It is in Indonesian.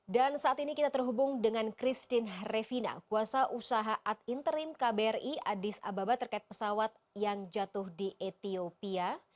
dan saat ini kita terhubung dengan christine hrevina kuasa usaha ad interim kbri adis ababa terkait pesawat yang jatuh di etiopia